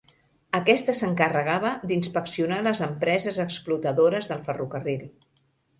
Aquesta s'encarregava d'inspeccionar les empreses explotadores del ferrocarril.